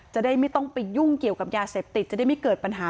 จะได้ไม่ต้องไปยุ่งเกี่ยวกับยาเสพติดจะได้ไม่เกิดปัญหา